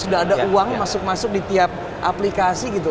sudah ada uang masuk masuk di tiap aplikasi gitu